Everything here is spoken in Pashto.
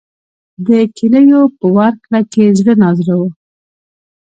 د کیلیو په ورکړه کې زړه نازړه و.